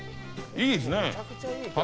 いいですね。